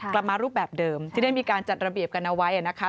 รูปแบบเดิมที่ได้มีการจัดระเบียบกันเอาไว้นะคะ